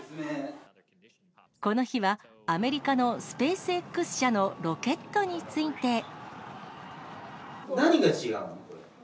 この日は、アメリカのスペースＸ社のロケットについて。何が違うの？